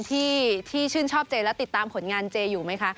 ที่ชื่นชอบเจและติดตามผลงานเจอยู่ไหมคะ